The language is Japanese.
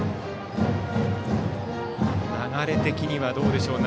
流れ的にはどうでしょう。